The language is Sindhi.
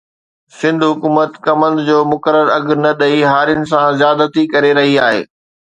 سنڌ حڪومت ڪمند جو مقرر اگهه نه ڏئي هارين سان زيادتي ڪري رهي آهي